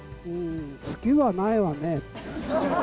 好きはないわねえって。